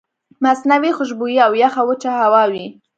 مصنوعي خوشبويئ او يخه وچه هوا وي